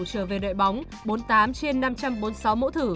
trở về đội bóng bốn mươi tám trên năm trăm bốn mươi sáu mẫu thử